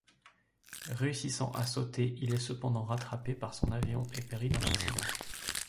Réussissant à sauter, il est cependant rattrapé par son avion et périt dans l'accident.